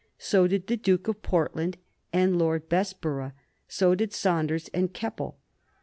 So did the Duke of Portland and Lord Bessborough, so did Saunders and Keppel.